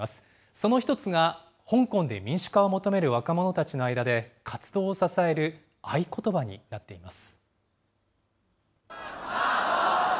その一つが、香港で民主化を求める若者たちの間で、活動を支える合言葉になっています。